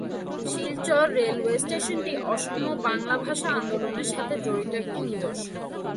Silchar railway স্টেশনটি অসম বাংলা ভাষা আন্দোলনের সাথে জড়িত একটি নিদর্শন।